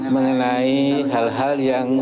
mengenai hal hal yang